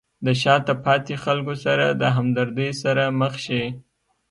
د شاته پاتې خلکو سره د همدردۍ سره مخ شئ.